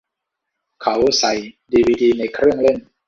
เขาใส่ดีวีดีในเครื่องเล่น